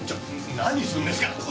何するんですか！